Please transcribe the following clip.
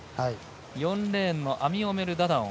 ４レーンのアミオメル・ダダオン。